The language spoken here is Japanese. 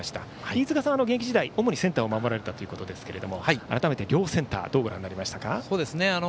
飯塚さんは現役時代主にセンターを守られていたということですが改めて両センターどうご覧になりましたか？